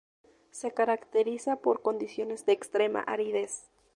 Se caracteriza por condiciones de extrema aridez.